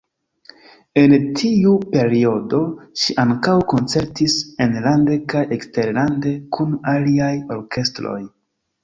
En tiu periodo ŝi ankaŭ koncertis enlande kaj eksterlande kun aliaj orkestroj.